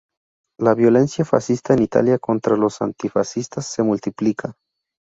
La violencia fascista en Italia contra los antifascistas se multiplica.